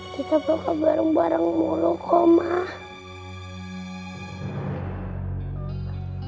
kita bawa ke bareng bareng ke molokom ah